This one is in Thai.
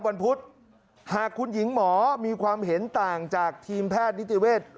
พุธหากคุณหญิงหมอมีความเห็นต่างจากทีมแพทย์นิติเวศ